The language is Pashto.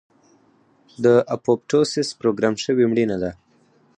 د اپوپټوسس پروګرام شوې مړینه ده.